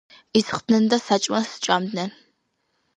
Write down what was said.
ისხდენ და საჭმელს სჭამდნენ.